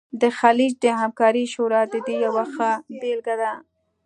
د خلیج د همکارۍ شورا د دې یوه ښه بیلګه ده